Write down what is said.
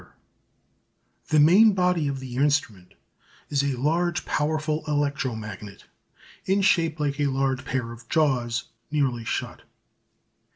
] The main body of the instrument is a large, powerful electro magnet, in shape like a large pair of jaws nearly shut.